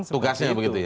tugasnya seperti itu